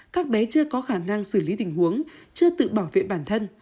các bé chưa có khả năng xử lý tình huống chưa tự bảo vệ bản thân